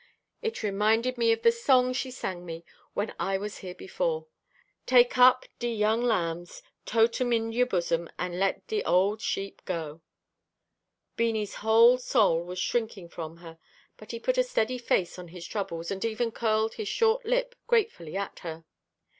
It reminded me of the song she sang me when I was here before. "Take up de young lambs, tote 'em in your bosom, an' let de ole sheep go." Beanie's whole soul was shrinking from her, but he put a steady face on his troubles, and even curled his short lip gratefully at her.